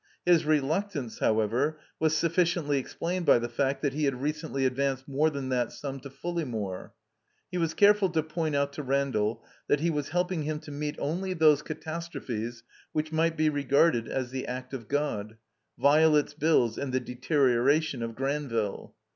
His reluctance, however, was sufficiently explained by the fact that he had recent ly advanced more than that sum to Fulleymore. He was careful to point out to Randall that he was helping him to meet only those catastrophes which might be regarded as the act of God — ^Violet's bills and the deterioration of Granville.